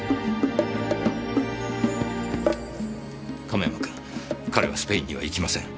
亀山君彼はスペインには行きません。